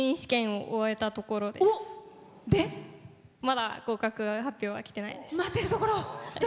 まだ合格発表はきてないです。